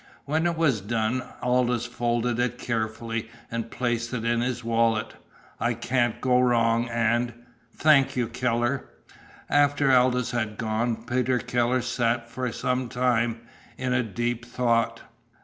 When it was done, Aldous folded it carefully and placed it in his wallet. "I can't go wrong, and thank you, Keller!" After Aldous had gone, Peter Keller sat for some time in deep thought.